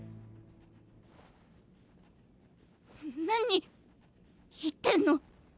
何言ってんの？